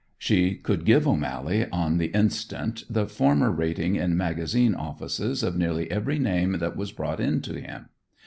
She could give O'Mally on the instant the former rating in magazine offices of nearly every name that was brought in to him.